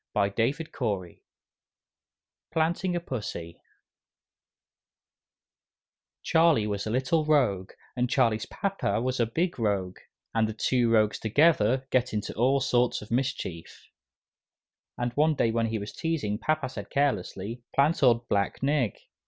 PLANTING A PUSSY Charlie was a little rogue, and Charlie's papa was a big rogue; and two rogues together get into all sorts of mischief. Charlie wanted a kitten, and one day when he was teasing papa said carelessly: "Plant old black Nig.